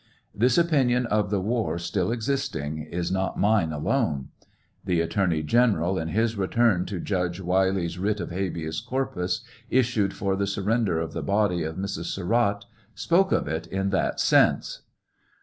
This opinion of the war still existing is not mine alone. The Attorney General in TRIAL 01? HENRY WIRZ. 729 his return to Judge Wylie's writ of habeas co? pus, issued for the surrender of the body of Mrs. Surratt, spoke of it in that sense.